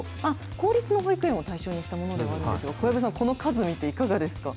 公立の保育園を対象にしたものではあるんですが、小籔さん、この数見ていかがですか？